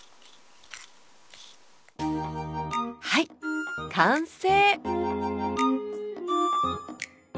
はい完成！